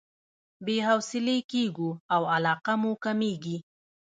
بې حوصلې کېږو او علاقه مو کميږي.